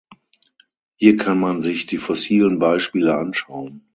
Hier kann mann sich die fossilen Beispiele anschauen.